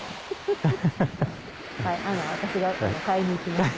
私が買いに行きます。